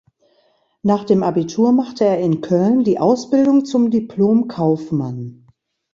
Nach dem Abitur machte er in Köln die Ausbildung zum Diplom-Kaufmann.